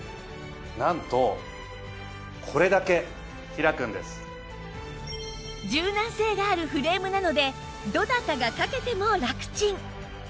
なんと柔軟性があるフレームなのでどなたがかけてもラクチン